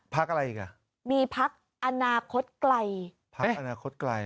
พักอะไรอีกอ่ะมีพักอนาคตไกลพักอนาคตไกล